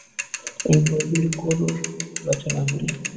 এই বইগুলি গোরার রচনাবলী।